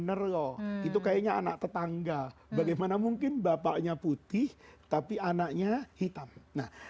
bener loh itu kayaknya anak tetangga bagaimana mungkin bapaknya putih tapi anaknya hitam nah